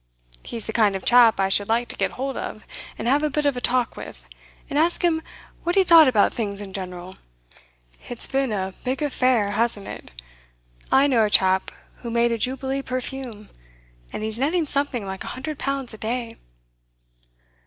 He's the kind of chap I should like to get hold of, and have a bit of a talk with, and ask him what he thought about things in general. It's been a big affair, hasn't it? I know a chap who made a Jubilee Perfume, and he's netting something like a hundred pounds a day.